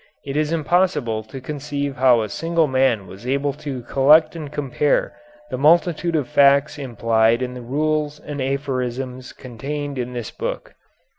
It is impossible to conceive how a single man was able to collect and compare the multitude of facts implied in the rules and aphorisms contained in this book."